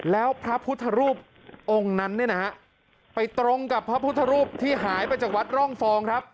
แล้วพระพุทธรูปองค์นั้นเนี่ยนะฮะไปตรงกับพระพุทธรูปที่หายไปจากวัดร่องฟองครับ